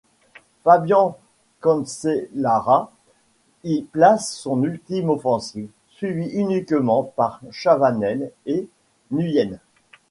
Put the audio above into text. Fabian Cancellara y place son ultime offensive, suivi uniquement par Chavanel et Nuyens.